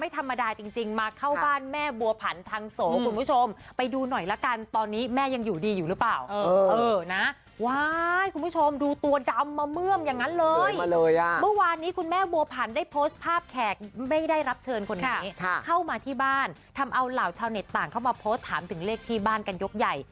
ทำเอาเหล่าชาวเน็ตต่างเข้ามาโพสต์ถามถึงเลขที่บ้านกันยกใหญ่